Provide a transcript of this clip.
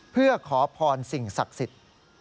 เพื่อขอพรสิ่งศักดิ์สิทธิ์